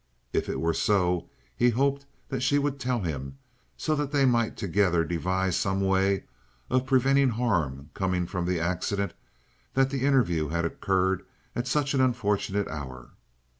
If it were so, he hoped that she would tell him, so that they might together devise some way of preventing harm coming from the accident that the interview had occurred at such an unfortunate hour.